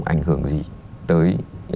có ảnh hưởng gì tới